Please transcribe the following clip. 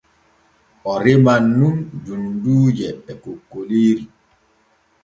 O reman nun dunduuje e kokkoliiri.